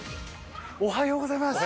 おはようございます！